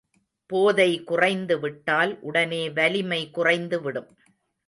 போதை குறைந்துவிட்டால் உடனே வலிமை குறைந்துவிடும்.